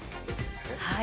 はい。